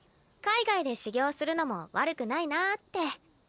海外で修業するのも悪くないなって。